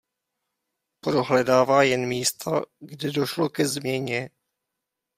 Prohledává jen místa, kde došlo ke změně.